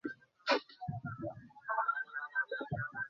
হ্যাঁ, আমি একজন বাউন্ডুলে চিত্রশিল্পী।